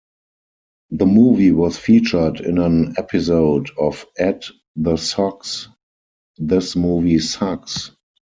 The movie was featured in an episode of Ed the Sock's This Movie Sucks!